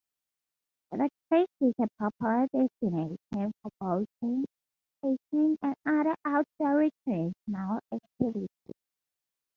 The creek is a popular destination for boating, fishing and other outdoor recreational activities.